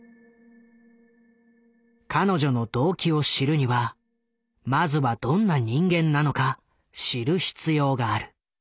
彼女の動機を知るにはまずはどんな人間なのか知る必要がある。